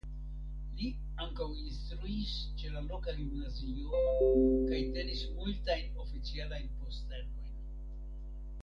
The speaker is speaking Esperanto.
Li ankaŭ instruis ĉe la loka gimnazio kaj tenis multajn oficialajn postenojn.